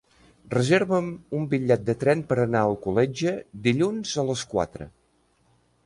Reserva'm un bitllet de tren per anar a Alcoletge dilluns a les quatre.